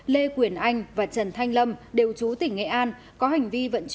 lê quyền anh và trần thanh lâm đều trú tỉnh hà tĩnh